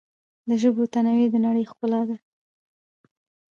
د ژبو تنوع د نړۍ ښکلا ده.